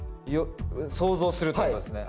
想像するってことですね。